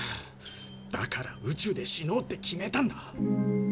だから宇宙で死のうって決めたんだ。